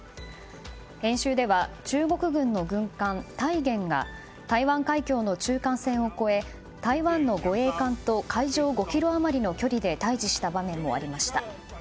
演習では中国軍の軍艦「太原」が台湾海峡の中間線を越え台湾の護衛艦と海上５ｋｍ余りの距離で対峙した場面もありました。